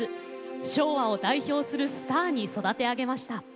昭和を代表するスターに育て上げました。